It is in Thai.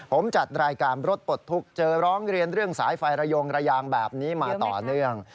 ผมจัดรายการรถปลดทุกข์เจอร้องเรียนเรื่องสายไฟระยงระยางแบบนี้มาต่อเนื่อง